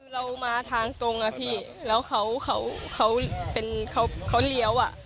เรามาทางตรงอะพี่แล้วเขาเลี้ยวอ่ะ